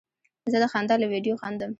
زه د خندا له ویډیو خندم.